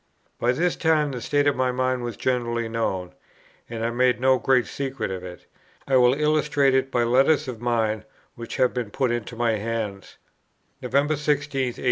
By this time the state of my mind was generally known, and I made no great secret of it. I will illustrate it by letters of mine which have been put into my hands. "November 16, 1844.